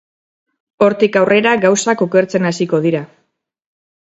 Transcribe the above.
Hortik aurrera gauzak okertzen hasiko dira...